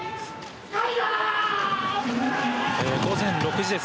午前６時です。